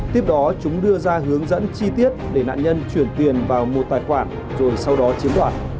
tiếp đó chúng đưa ra hướng dẫn chi tiết để nạn nhân chuyển tiền vào một tài khoản rồi sau đó chiếm đoạt